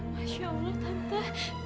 masya allah tante